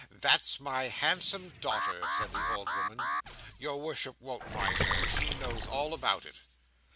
"That's my handsome daughter," said the old woman. "Your worship won't mind her. She knows all about it."